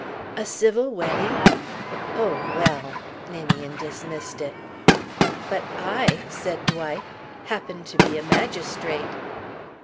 "A civil wedding? Oh, well " Ninian dismissed it. "But I," said Dwight, "happen to be a magistrate."